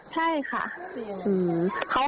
ใช่ค่ะ